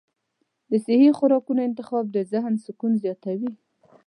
د صحي خوراکونو انتخاب د ذهن سکون زیاتوي.